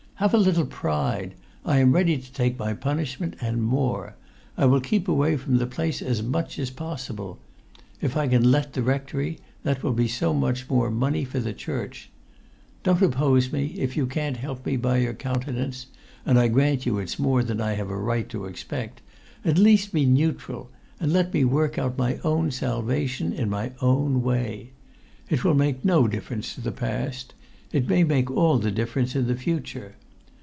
Have a little pride! I am ready to take my punishment, and more. I will keep away from the place as much as possible. If I can let the rectory, that will be so much more money for the church. Don't oppose me; if you can't help me by your countenance (and I grant you it's more than I have a right to expect), at least be neutral, and let me work out my own salvation in my own way. It will make no difference to the past. It may make all the difference in the future.